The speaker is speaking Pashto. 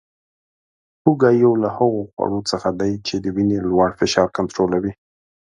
هوګه یو له هغو خوړو څخه دی چې د وینې لوړ فشار کنټرولوي